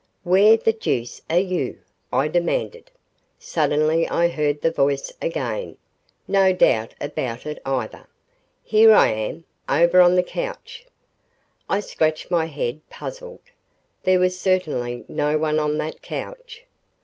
"Where the deuce are you?" I demanded. Suddenly I heard the voice again no doubt about it, either. "Here I am over on the couch!" I scratched my head, puzzled. There was certainly no one on that couch.